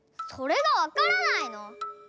それがわからないの？